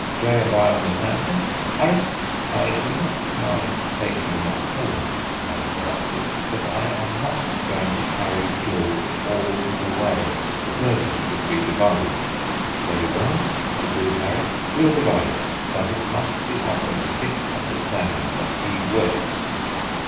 "J. and I on the tandem, Harris " "I do not mind taking my turn," I interrupted, "but I am not going to carry George all the way; the burden should be divided." "Very well," agreed Harris, "we'll divide it. But it must be on the distinct understanding that he works."